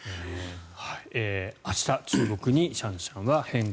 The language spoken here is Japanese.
明日、中国にシャンシャンは返還。